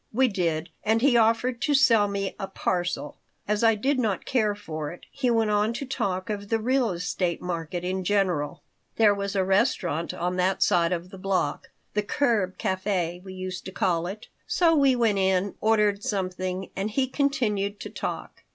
We did and he offered to sell me a "parcel." As I did not care for it, he went on to talk of the real estate market in general. There was a restaurant on that side of the block The Curb Café we used to call it so we went in, ordered something, and he continued to talk.